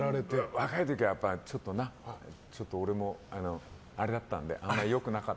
若い時は、ちょっと俺もあれだったんであんま良くなかった。